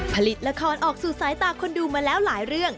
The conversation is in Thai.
ผลิตละครออกสู่สายตาคนดูมาแล้วหลายเรื่อง